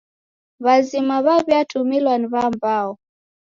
W'azima w'aw'iatumilwa ni w'ambao.